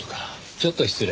ちょっと失礼。